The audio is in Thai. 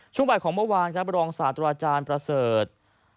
ช่วงบ่ายของเมื่อวานครับรองศาสตราจารย์ประเสริฐ